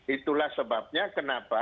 itulah sebabnya kenapa